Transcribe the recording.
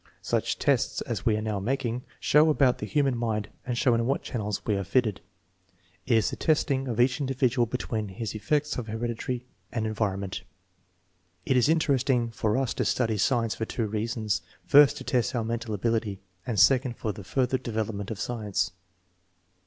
"Such tests as we are now making show about the human mind and show in what channels we are fitted. It is the testing of each individual between his effects of inheritancy and environment." " It is very interesting for us to study science for two reasons; first, to test our mental ability, and second for the further develop ment of science."